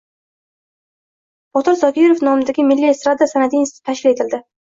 Botir Zokirov nomidagi Milliy estrada san’ati instituti tashkil etildi